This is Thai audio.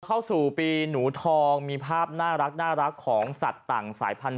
เข้าสู่ปีหนูทองมีภาพน่ารักของสัตว์ต่างสายพันธุ